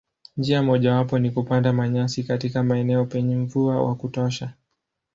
Njia mojawapo ni kupanda manyasi katika maeneo penye mvua wa kutosha.